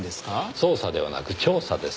捜査ではなく調査です。